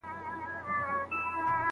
ایا هغه پخپله اوږه ډېري مڼې وړي؟